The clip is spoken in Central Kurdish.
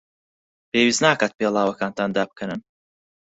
پێویست ناکات پێڵاوەکانتان دابکەنن.